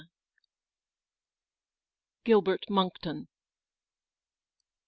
GILBERT MONCKTON.